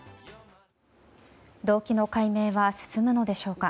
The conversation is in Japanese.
動機の解明は進むのでしょうか。